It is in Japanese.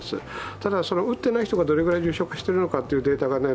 ただ、打っていない人がどれだけ重症化しているのかのデータがない